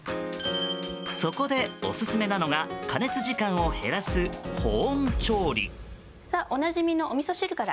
そこで、オススメなのが加熱時間を減らす保温調理。